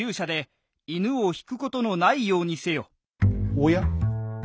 おや？